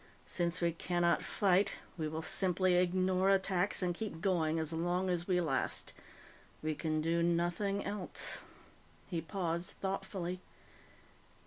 Since we cannot fight, we will simply ignore attacks and keep going as long as we last. We can do nothing else." He paused thoughtfully.